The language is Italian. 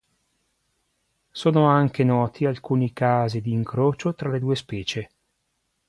Sono anche noti alcuni casi di incrocio tra le due specie.